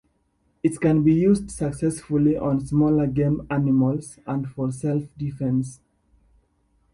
It can be used successfully on smaller game animals, and for self-defense.